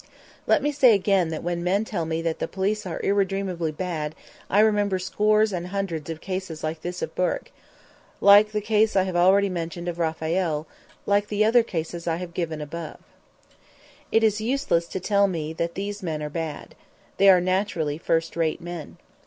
Let me again say that when men tell me that the police are irredeemably bad I remember scores and hundreds of cases like this of Bourke, like the case I have already mentioned of Raphael, like the other cases I have given above. It is useless to tell me that these men are bad. They are naturally first rate men.